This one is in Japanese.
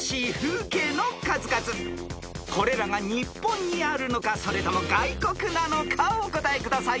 ［これらが日本にあるのかそれとも外国なのかをお答えください］